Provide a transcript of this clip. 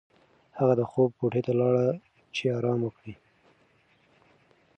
هغه د خوب کوټې ته لاړه چې ارام وکړي.